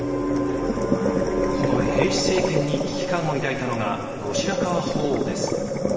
この平氏政権に危機感を抱いたのが後白河法皇です。